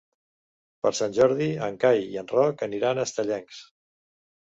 Per Sant Jordi en Cai i en Roc aniran a Estellencs.